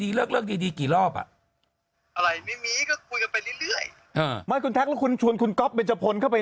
มีผู้หญิงออกมาพูดว่าเคยเป็นแฟนแกอยู่